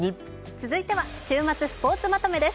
続いては週末スポーツまとめです。